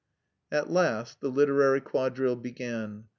At last the "literary quadrille" began.